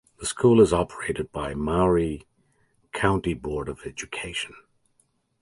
The school is operated by Maury County Board of Education.